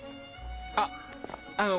あっあの。